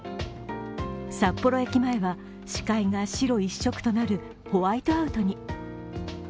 札幌駅前は視界が白一色となるホワイトアウトに。